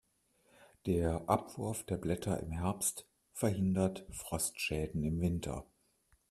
Der Abwurf der Blätter im Herbst verhindert Frostschäden im Winter.